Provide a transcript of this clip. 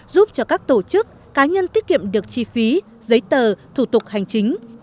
giúp cho các tổ chức cá nhân tiết kiệm được chi phí giấy tờ thủ tục hành chính